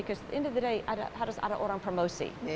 karena pada akhirnya harus ada orang promosi